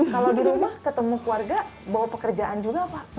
kalau di rumah ketemu keluarga bawa pekerjaan juga pak